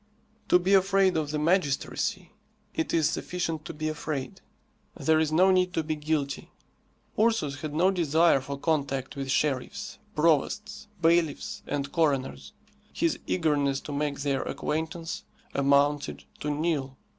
To be afraid of the magistracy, it is sufficient to be afraid, there is no need to be guilty. Ursus had no desire for contact with sheriffs, provosts, bailiffs, and coroners. His eagerness to make their acquaintance amounted to nil.